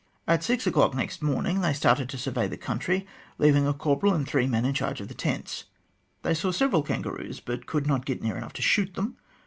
At six o'clock next morning they started to survey the country, leaving a corporal and three men in charge of the tents. They saw several kangaroos, but could not get near enough to shoot them.